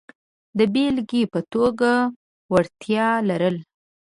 د بېلګې په توګه وړتیا لرل.